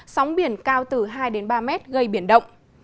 sóng biển cao từ hai ba mét gây biển động